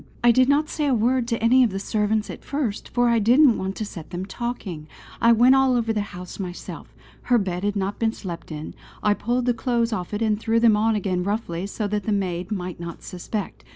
"I did not say a word to any of the servants at first, for I didn't want to set them talking. I went all over the house myself. Her bed had not been slept in; I pulled the clothes off it and threw them on again roughly so that the maid might not suspect.